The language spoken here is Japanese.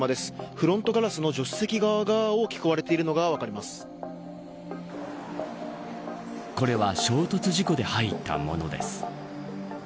フロントガラスの助手席側が大きく壊れているのがこれは衝突事故で入ったものです。